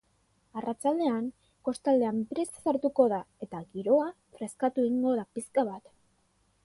Arratsaldean kostaldean brisa sartuko da eta giroa freskatu egingo da pixka bat.